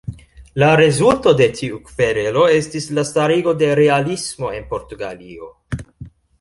La rezulto de tiu kverelo estis la starigo de realismo en Portugalio.